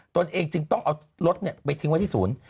เมื่อกายต้องเอารถไปซ่อมที่ศูนย์